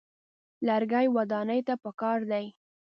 لرګي ودانۍ ته پکار دي.